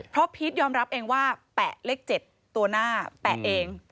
เพราะพีชยอมรับเองว่าแปะเลข๗ตัวหน้าแปะเอง